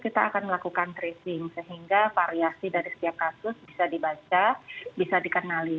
kita akan melakukan tracing sehingga variasi dari setiap kasus bisa dibaca bisa dikenali